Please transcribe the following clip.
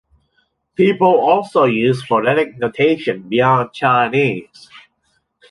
People also use phonetic notation beyond Chinese.